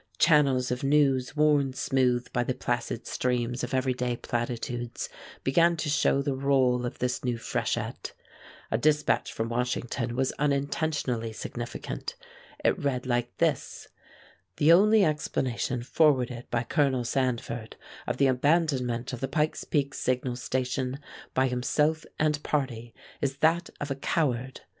Channels of news worn smooth by the placid streams of everyday platitudes began to show the roll of this new freshet. A dispatch from Washington was unintentionally significant. It read like this: "The only explanation forwarded by Colonel Sandford of the abandonment of the Pike's Peak signal station by himself and party is that of a coward.